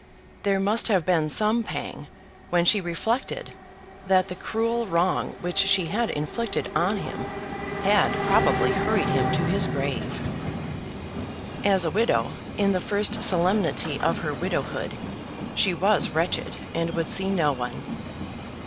There must have been some pang when she reflected that the cruel wrong which she had inflicted on him had probably hurried him to his grave. As a widow, in the first solemnity of her widowhood, she was wretched and would see no one.